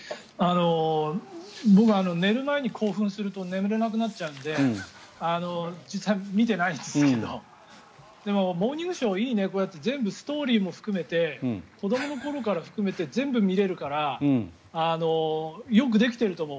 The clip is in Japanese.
僕、寝る前に興奮すると寝られなくなっちゃうので見てないんですけどでも「モーニングショー」いいねこうやってストーリーも含めて子どもの頃から含めて全部見れるからよくできていると思う